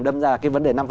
đâm ra cái vấn đề năm